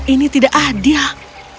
ini tidak adil